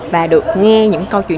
và được nghe những câu chuyện